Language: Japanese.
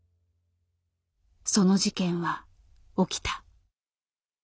その事件は起きた。